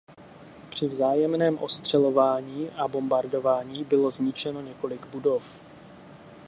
Při vzájemném ostřelování a bombardování bylo zničeno několik budov.